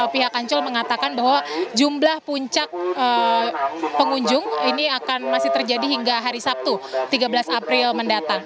pihak ancol mengatakan bahwa jumlah puncak pengunjung ini akan masih terjadi hingga hari sabtu tiga belas april mendatang